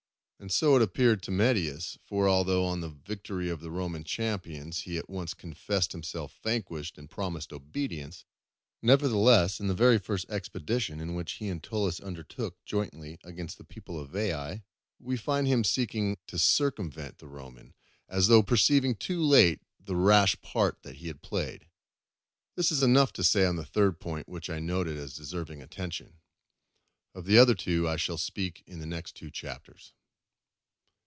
And so it appeared to Metius; for although on the victory of the Roman champions, he at once confessed himself vanquished, and promised obedience; nevertheless, in the very first expedition which he and Tullus undertook jointly against the people of Veii, we find him seeking to circumvent the Roman, as though perceiving too late the rash part he had played. This is enough to say of the third point which I noted as deserving attention. Of the other two I shall speak in the next two Chapters.